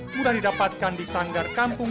sudah didapatkan di sanggar kampung